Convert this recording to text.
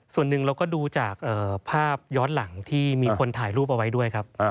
ส่วนหนึ่งเราก็ดูจากภาพย้อนหลังที่มีคนถ่ายรูปเอาไว้ด้วยครับ